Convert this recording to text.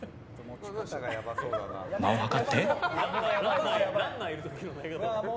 間をはかって。